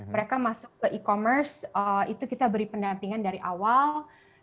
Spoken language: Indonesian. mereka masuk ke e commerce itu kita beri pendampingan dari awal